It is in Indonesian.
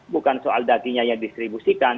bukan soal dagingnya yang distribusikan